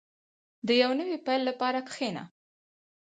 • د یو نوي پیل لپاره کښېنه.